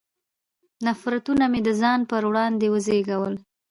نفرتونه مې د ځان پر وړاندې وزېږول.